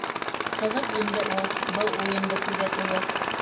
Ҡыҙыҡ инде ул был уйынды күҙәтеүе.